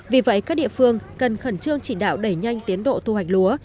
vì vậy các địa phương cần khẩn trương chỉ đạo đẩy nhanh tiến độ thu hoạch lúa